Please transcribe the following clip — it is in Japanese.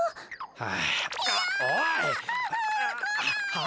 はあ？